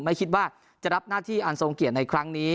ไม่คิดว่าจะรับหน้าที่อันทรงเกียรติในครั้งนี้